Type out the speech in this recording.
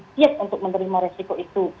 siap untuk menerima resiko itu